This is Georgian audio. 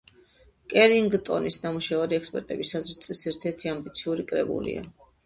კერინგტონის ნამუშევარი ექსპერტების აზრით, წლის ერთ-ერთი ამბიციური კრებულია.